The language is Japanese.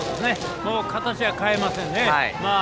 もう形は変えませんね。